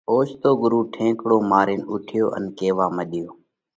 اوچتو ڳرُو ٺينڪڙو مارينَ اُوٺيو ان ڪيوا مڏيو: